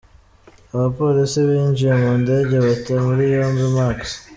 Abapolisi binjiye mu ndege bata muri yombi Marks.